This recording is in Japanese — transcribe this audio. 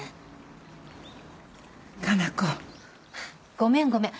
ごめんごめん。